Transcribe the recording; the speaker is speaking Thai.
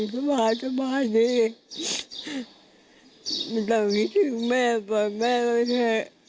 สบายสบายนี่ตอนนี้ถึงแม่ปล่อยแม่ไว้แท้